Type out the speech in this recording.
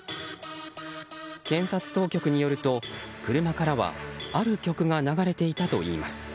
検察当局によると、車からはある曲が流れていたといいます。